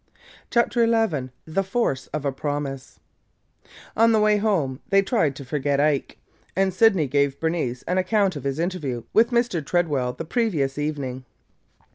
CHAPTER XI THE FORCE OF A PROMISE ON the way home they tried to forget Ike, and Sydney gave Bernice an account of his interview with Mr. Tredwell the previous evening.